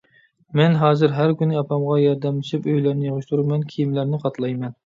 مەن ھازىر ھەر كۈنى ئاپامغا ياردەملىشىپ ئۆيلەرنى يىغىشتۇرىمەن، كىيىملەرنى قاتلايمەن.